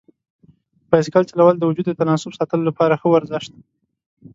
بایسکل چلول د وجود د تناسب ساتلو لپاره ښه ورزش دی.